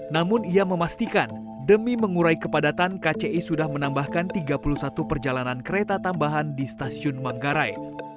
namun ia memastikan demi mengurai kepadatan kci sudah menambahkan tiga puluh satu perjalanan kereta tambahan di stasiun manggarai